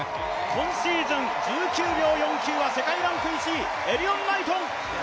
今シーズン１９秒４９は世界ランク１位、エリヨン・ナイトン。